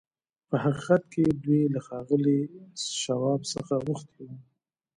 په حقيقت کې دوی له ښاغلي شواب څخه غوښتي وو.